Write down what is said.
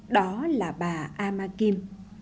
đó là bà ama kim